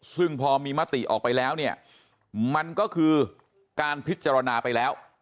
ซึ่งพอมีมติออกไปแล้วเนี่ยมันก็คือการพิจารณาไปแล้ว